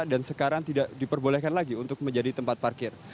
dan sekarang tidak diperbolehkan lagi untuk menjadi tempat parkir